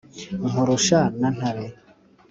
nkurusha na ntare,